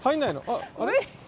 あれ？